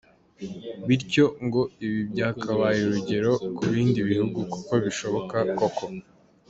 Bityo ngo ibi byakabaye urugero ku bindi bihugu kuko bishoboka koko.